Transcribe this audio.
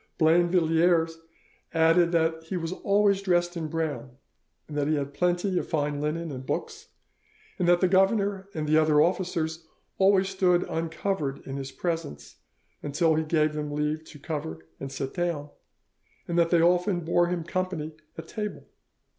Blainvilliers added that he was always dressed in brown, that he had plenty of fine linen and books, that the governor and the other officers always stood uncovered in his presence till he gave them leave to cover and sit down, and that they often bore him company at table.